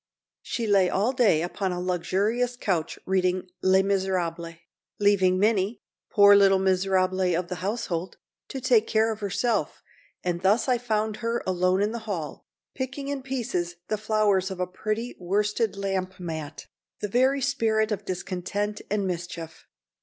She lay all day upon a luxurious couch, reading "Les Miserables," leaving Minnie, poor little miserable of the household, to take care of herself, and thus I found her alone in the hall, picking in pieces the flowers of a pretty worsted lamp mat, the very spirit of discontent and mischief.